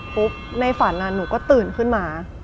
ปุ๊บในฝันนั้นหนูก็ตื่นขึ้นมา